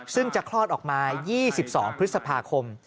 ซึ่งจะคลอดออกมา๒๒พฤษภาคม